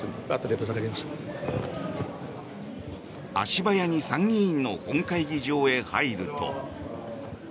足早に参議院の本会議場に入ると。